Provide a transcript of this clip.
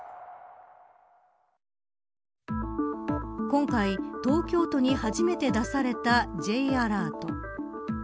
今回、東京都に初めて出されたＪアラート。